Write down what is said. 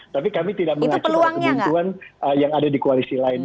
tapi kami tidak mengacu pada ketentuan yang ada di koalisi lain